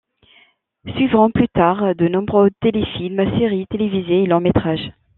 Suivront, plus tard, de nombreux téléfilms, séries télévisées et longs métrages.